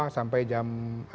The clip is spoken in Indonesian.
sampai jam lima